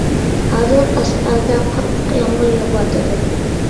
ھازىر قەشقەردە قاتتىق يامغۇر يېغىۋاتىدۇ!